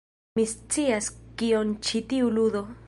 Mi scias kion ĉi tiu ludo...